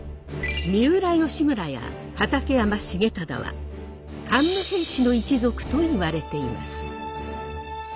三浦義村や畠山重忠は桓武平氏の一族といわれています。